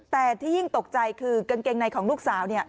แต่ที่ยิ่งตกใจคือกางเกงในของลูกสาว